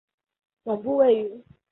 总部位于韩国首尔。